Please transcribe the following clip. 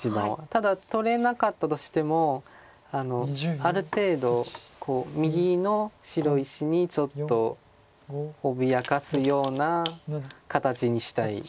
ただ取れなかったとしてもある程度右の白石にちょっと脅かすような形にしたい。